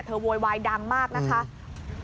โวยวายดังมากนะคะ